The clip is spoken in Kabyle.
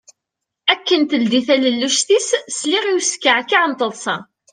Akken teldi talelluct-is, sliɣ i uskeεkeε n teṭsa.